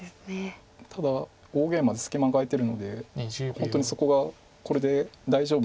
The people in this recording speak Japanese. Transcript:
ただ大ゲイマで隙間が空いてるので本当にそこがこれで大丈夫なのかという問題もあります。